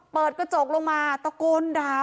เปิดกระจกลงมาตะโกนด่า